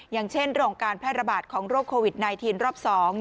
อย่างเช่นเรื่องของการแพร่ระบาดของโรคโควิด๑๙รอบ๒